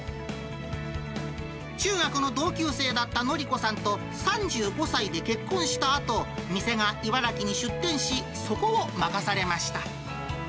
中学の同級生だった典子さんと３５歳で結婚したあと、店がいばらきに出店し、そこを任されました。